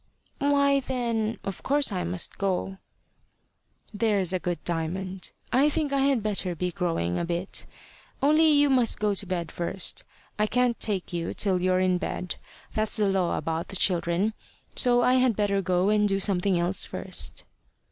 "Why, then, of course I must go." "There's a good Diamond. I think I had better be growing a bit. Only you must go to bed first. I can't take you till you're in bed. That's the law about the children. So I had better go and do something else first."